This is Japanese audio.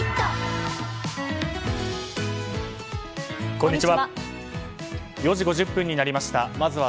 こんにちは。